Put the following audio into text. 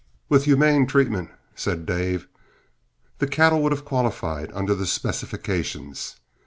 "With humane treatment," said Dave, "the cattle would have qualified under the specifications.